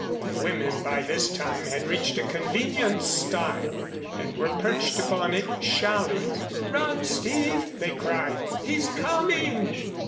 The women by this time had reached a convenient stile and were perched upon it shouting. "Run, Steve!" they cried. "He's coming!"